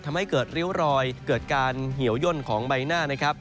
ทำให้เกิดริ้วรอยเกิดการเหี่ยวย่นของใบหน้านะครับ